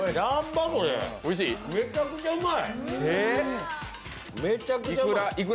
めちゃくちゃうまい。